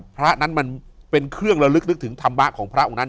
พระนั้นมันเป็นเครื่องระลึกนึกถึงธรรมะของพระองค์นั้น